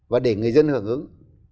và để người dân hưởng ứng